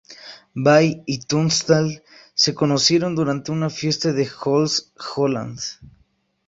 Bay y Tunstall se conocieron durante una fiesta de Jools Holland.